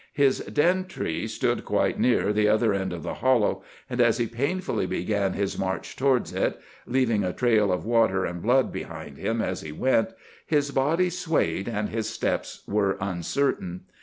His den tree stood quite near the other end of the hollow, and as he painfully began his march towards it, leaving a trail of water and blood behind him as he went, his body swayed and his steps were uncertain.